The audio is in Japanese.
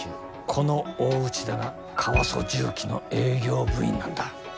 この大内田がカワソ什器の営業部員なんだ。